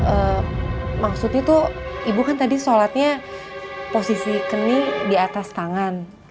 eh maksudnya tuh ibu kan tadi sholatnya posisi kenih di atas tangan